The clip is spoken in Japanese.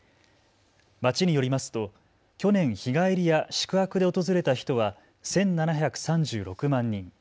町によりますと去年日帰りや宿泊で訪れた人は１７３６万人。